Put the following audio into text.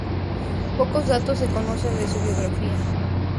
Pocos datos se conocen de su biografía.